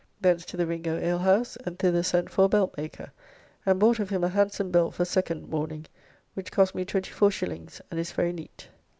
Thence to the Ringo alehouse, and thither sent for a belt maker, and bought of him a handsome belt for second mourning, which cost me 24s., and is very neat.